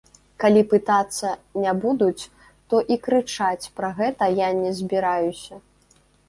Калі пытацца не будуць, то і крычаць пра гэта я не збіраюся.